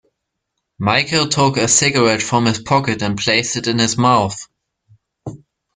Michael took a cigarette from his pocket and placed it in his mouth.